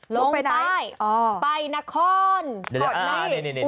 ลงไปไหน